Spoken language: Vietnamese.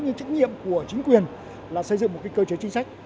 nhưng trách nhiệm của chính quyền là xây dựng một cái cơ chế chính sách